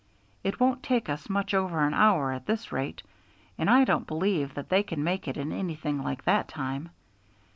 It won't take us much over an hour at this rate, and I don't believe that they can make it in anything like that time.